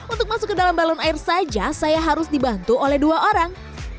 untuk masuk ke dalam balon air saja saya harus dibantu oleh dua orang